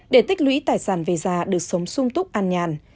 để tích lũy tài sản về già được sống sung túc an nhàn